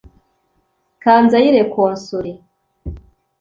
Kanzayire Consolée